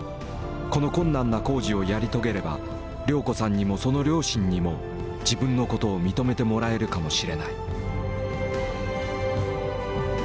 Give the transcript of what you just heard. この困難な工事をやり遂げれば亮子さんにもその両親にも自分のことを認めてもらえるかもしれない。